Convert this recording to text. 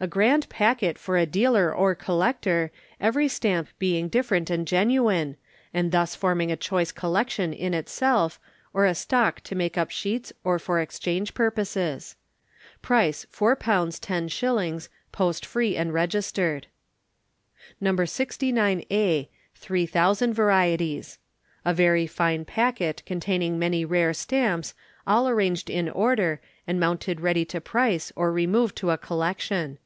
A grand packet for a dealer or collector, every Stamp being different and genuine, and thus forming a choice collection in itself or a stock to make up sheets or for exchange purposes. Price £4 10s., post free and registered. No. 69A, 3,000 VARIETIES. A very fine packet, containing many rare stamps, all arranged in order, and mounted ready to price or remove to a collection.